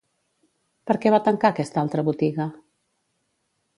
Per què va tancar aquesta altra botiga?